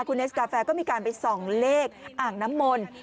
คุณเนสกาแฟก็มีการไปส่องเลขอ่างน้ำมนต์